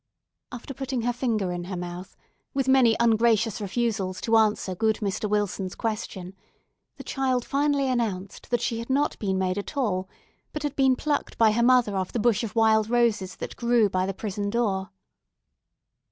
After putting her finger in her mouth, with many ungracious refusals to answer good Mr. Wilson's question, the child finally announced that she had not been made at all, but had been plucked by her mother off the bush of wild roses that grew by the prison door.